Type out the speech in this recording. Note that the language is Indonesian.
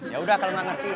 yaudah kalau gak ngerti